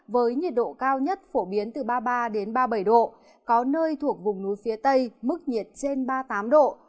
với nhiệt độ cao nhất phổ biến từ ba mươi ba ba mươi bảy độ có nơi thuộc vùng núi phía tây mức nhiệt trên ba mươi tám độ